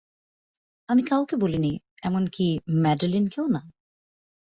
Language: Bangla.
আমি কাউকে বলিনি, এমনকি ম্যাডেলিনকেও না।